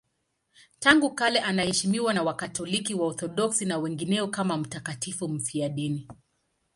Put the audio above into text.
Tangu kale anaheshimiwa na Wakatoliki, Waorthodoksi na wengineo kama mtakatifu mfiadini.